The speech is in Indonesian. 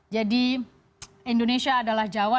jadi indonesia adalah jawa